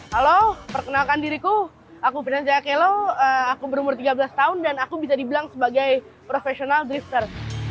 halo perkenalkan diriku aku prinan jakelo aku berumur tiga belas tahun dan aku bisa dibilang sebagai profesional drifter